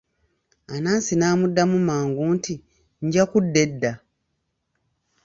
Anansi n'amuddamu mangu nti, nja kudda edda.